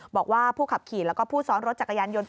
บอกว่าผู้ขับขี่แล้วก็ผู้ซ้อนรถจักรยานยนต์